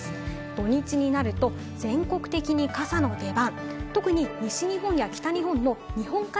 土日になると全国的に傘の出番。